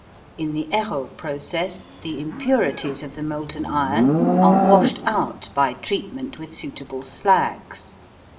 In the Heroult process the impurities of the molten iron are washed out by treatment with suitable slags.